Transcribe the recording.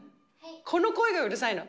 この声がうるさいの。